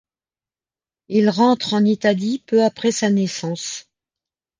Ils rentrent en Italie peu après sa naissance.